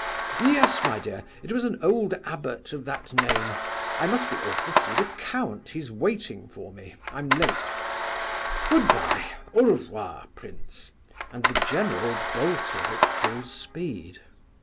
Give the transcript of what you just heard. "Yes, my dear, it was an old abbot of that name—I must be off to see the count, he's waiting for me, I'm late—Good bye! Au revoir, prince!"—and the general bolted at full speed.